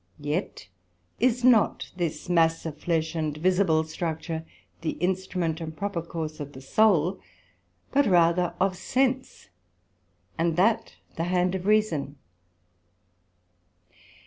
Yet is not this mass of flesh and visible structure the instrument and proper corps of the Soul, but rather of Sense, and that the hand of Reason.